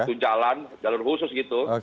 satu jalan jalur khusus gitu